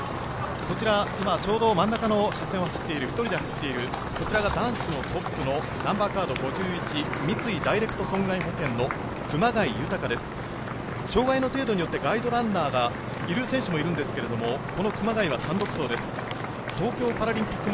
こちら今、ちょうど真ん中の車線を１人で走っているこちらが男子のトップのナンバーカード５１、三井ダイレクト損害保険の熊谷豊です、障害の程度によってガイドランナーがいる選手もいるんですが、この熊谷は単独走です。